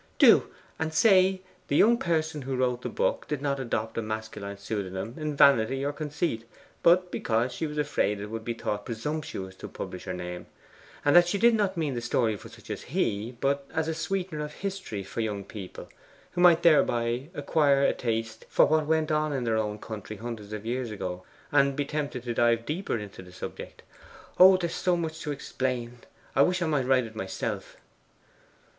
'Do! And say, the young person who wrote the book did not adopt a masculine pseudonym in vanity or conceit, but because she was afraid it would be thought presumptuous to publish her name, and that she did not mean the story for such as he, but as a sweetener of history for young people, who might thereby acquire a taste for what went on in their own country hundreds of years ago, and be tempted to dive deeper into the subject. Oh, there is so much to explain; I wish I might write myself!